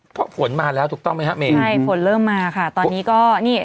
เพราะฝนมาแล้วถูกต้องไหมครับเมใช่ฝนเริ่มมาค่ะตอนนี้ก็นี่